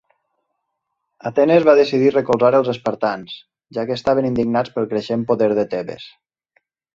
Atenes va decidir recolzar els Espartans, ja que estaven indignats pel creixent poder de Tebes.